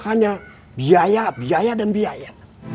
hanya biaya dan biaya